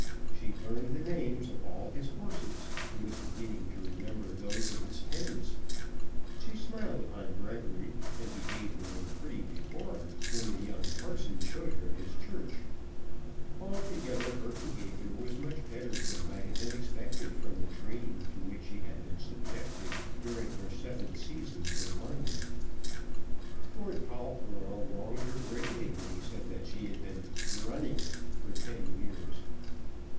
She learned the names of all his horses, and was beginning to remember those of his tenants. She smiled upon Gregory, and behaved with a pretty decorum when the young parson showed her his church. Altogether her behaviour was much better than might have been expected from the training to which she had been subjected during her seven seasons in London. Lord Polperrow wronged her greatly when he said that she had been "running" for ten years.